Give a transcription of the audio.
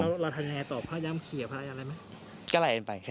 นะครับตัวเดียวครับ